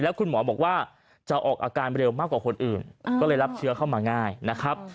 คุณหมอบอกว่าจะออกอาการเร็วมากกว่าคนอื่นก็เลยรับเชื้อเข้ามาง่ายนะครับ